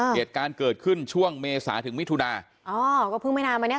เหตุการณ์เกิดขึ้นช่วงเมษาถึงมิถุนาอ๋อก็เพิ่งไม่นานมาเนี้ย